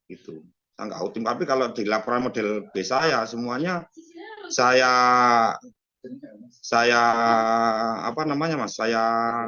itu tangga utim tapi kalau dilaporan model b saya semuanya saya saya apa namanya mas saya